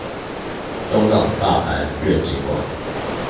中港大排願景館